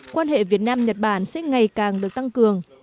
quan hệ việt nam nhật bản sẽ ngày càng được tăng cường